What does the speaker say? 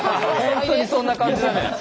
本当にそんな感じだね。